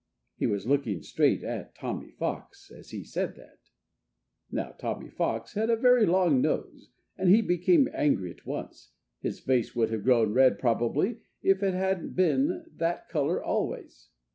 He was looking straight at Tommy Fox as he said that. Now, Tommy Fox had a very long nose. And he became angry at once. His face would have grown red, probably, if it hadn't been that color always.